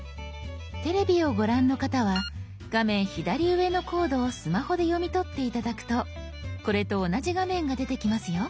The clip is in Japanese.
テレビをご覧の方は画面左上のコードをスマホで読み取って頂くとこれと同じ画面が出てきますよ。